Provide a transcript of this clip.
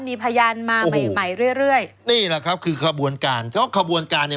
มากกว่าสอง